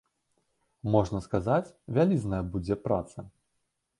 Можна сказаць, вялізная будзе праца.